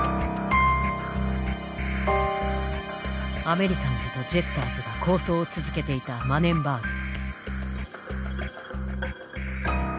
アメリカンズとジェスターズが抗争を続けていたマネンバーグ。